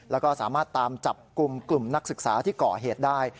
แล้วก็สามารถตามจับกลุ่มกลุ่มนักศึกษาที่ก่อเหตุได้